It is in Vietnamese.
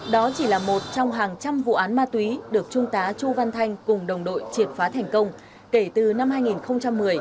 đó chỉ là một trong hàng trăm vụ án ma túy được trung tá chu văn thanh cùng đồng đội triệt phá thành công kể từ năm hai nghìn một mươi